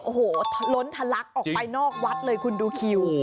โอ้โหล้นทะลักออกไปนอกวัดเลยคุณดูคิว